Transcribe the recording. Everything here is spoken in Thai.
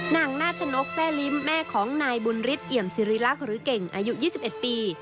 นางนาชนกแซ่ลิ้มแม่ของนายบุญฤทธเอี่ยมสิริรักษ์หรือเก่งอายุ๒๑ปี